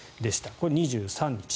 これ、２３日。